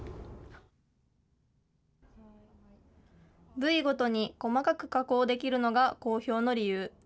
部位ごとに細かく加工できるのが好評の理由。